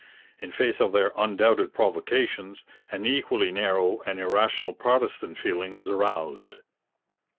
In face of their undoubted provocations, an equally narrow and irrational Protestant feeling was aroused.